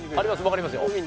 わかりますよ。